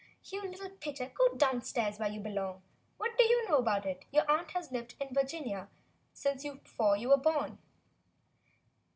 "You little pitcher, go downstairs where you be long. What do you know about it? Your aunt has lived in Virginia since before you were born."